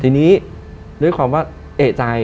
ทีนี้ด้วยความว่าเอกใจ